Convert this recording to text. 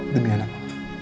demi anak lo